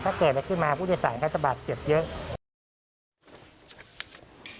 ถ้าเกิดอะไรขึ้นมาผู้โดยสารก็จะบาดเจ็บเยอะ